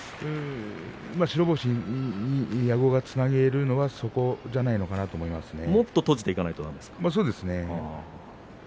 白星に矢後がつなげるのはそこではないかと思いますね。